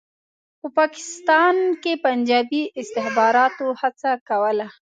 په پاکستان کې پنجابي استخباراتو هڅه کوله.